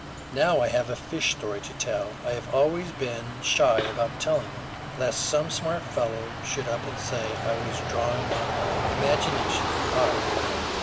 Now I have a fish story to tell. I have always been shy about telling it, lest some smart fellow should up and say I was drawing on my imagination: I am not.